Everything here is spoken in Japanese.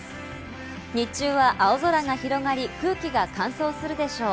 日中は青空が広がり、空気が乾燥するでしょう。